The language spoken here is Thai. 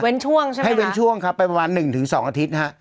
เว้นช่วงใช่ไหมคะให้เว้นช่วงครับเป็นประมาณหนึ่งถึงสองอาทิตย์ฮะ